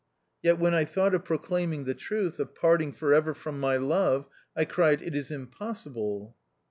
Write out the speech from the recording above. Yet when I thought of proclaiming the THE OUTCAST. 119 truth, of parting for ever from my love, I cried, " It is impossible